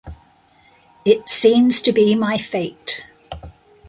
It seems to be my fate.